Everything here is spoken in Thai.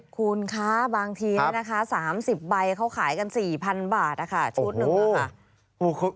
คุณคะบางที๓๐ใบเขาขายกัน๔๐๐๐บาทชุดหนึ่งนะคะ